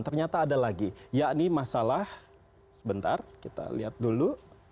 ternyata ada lagi yakni masalah sebentar kita lihat dulu